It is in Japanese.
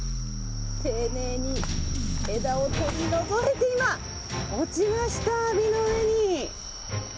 丁寧に枝を取り除いて、今、落ちました、網の上に。